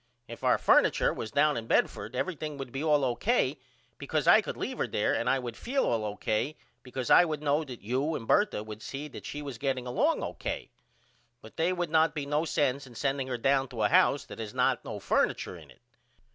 If our furniture was down in Bedford everything would be all O.K. because I could leave her there and I would feel all O.K. because I would know that you and Bertha would see that she was getting along O.K. But they would not be no sense in sending her down to a house that has not no furniture in it.